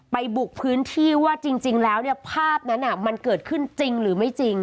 บุกพื้นที่ว่าจริงแล้วเนี่ยภาพนั้นมันเกิดขึ้นจริงหรือไม่จริง